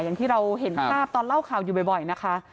อย่างที่เราเห็นภาพตอนเล่าข่าวอยู่บ่อยนะคะ